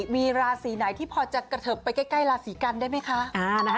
มีราศีไหนที่พอจะกระเทิบไปใกล้ราศีกันได้ไหมคะ